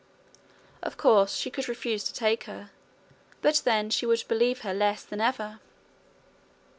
Of course she could refuse to take her, but then she would believe her less than ever.